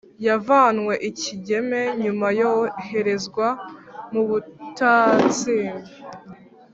Yavanwe I Kigeme nyuma yoherezwa mu butatsinda